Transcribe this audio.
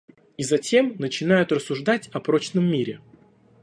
И затем начинают рассуждать о прочном мире.